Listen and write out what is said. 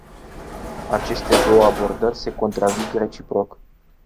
Aceste două abordări se contrazic reciproc.